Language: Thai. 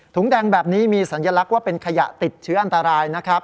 แดงแบบนี้มีสัญลักษณ์ว่าเป็นขยะติดเชื้ออันตรายนะครับ